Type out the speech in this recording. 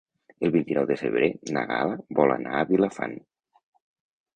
El vint-i-nou de febrer na Gal·la vol anar a Vilafant.